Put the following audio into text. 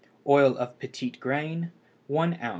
Oil of petit grain 1 oz.